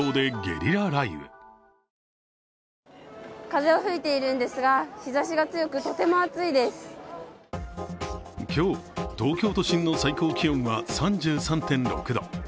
風は吹いているんですが、日ざしが強く今日、東京都心の最高気温は３３．６度。